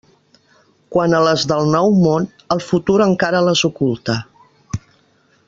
Quant a les del Nou Món, el futur encara les oculta.